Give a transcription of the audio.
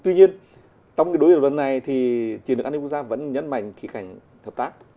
tuy nhiên trong cái đối đầu này thì chiến lược anh nhật quốc gia vẫn nhấn mạnh kỳ cảnh hợp tác